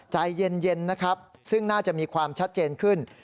ใจเย็นนะครับซึ่งน่าจะมีความชัดเจนขึ้น